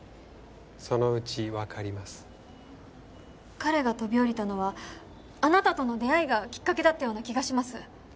彼が飛び降りたのはあなたとの出会いがきっかけだったような気がします。